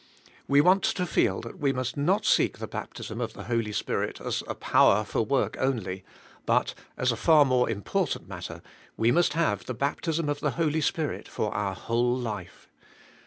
We want to feel that we must not seek the baptism of the Holy Spirit as a power for work only, but, as a far more important matter, we must have the baptism of the Holy Spirit for our whole life.